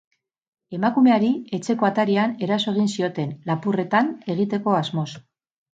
Emakumeari etxeko atarian eraso egin zioten, lapurretan egiteko asmoz.